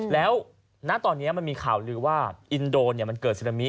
แล้วณตอนนี้มันมีข่าวว่าอินโดนเนี่ยมันเกิดเซรามิ